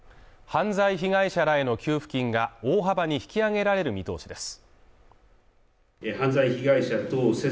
犯罪被害者らへの給付金が大幅に引き上げられる見通しです。